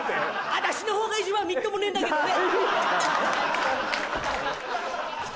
私の方が一番みっともねえんだけどね。